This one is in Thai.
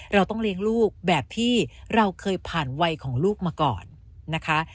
เราต้องเลี้ยงลูกแบบที่เราเคยผ่านวัยของลูกมาก่อนนะคะ